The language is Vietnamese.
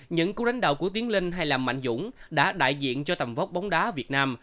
những cú đánh đầu của tiến linh hay là mạnh dũng đã đại diện cho tầm vóc bóng đá việt nam